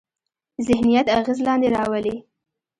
ذهنیت اغېز لاندې راولي.